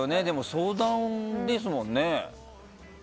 相談ですもんね。